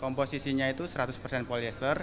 komposisinya itu seratus polyester